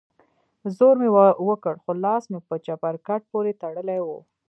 زور مې وکړ خو لاس مې په چپرکټ پورې تړلى و.